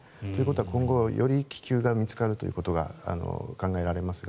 今後より気球が見つかるということが考えられますが。